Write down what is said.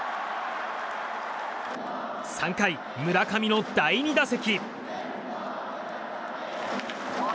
３回、村上の第２打席。